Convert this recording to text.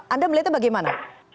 anda melihatnya bagaimana